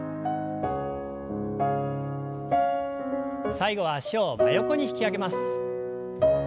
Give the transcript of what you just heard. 最後は脚を真横に引き上げます。